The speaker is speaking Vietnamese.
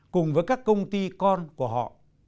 cùng với các công ty con của họ